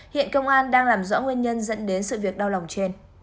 hiện công an đang làm rõ nguyên nhân dẫn đến sự việc đau lòng trên